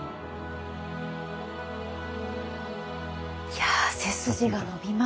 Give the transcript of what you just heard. いや背筋が伸びますね。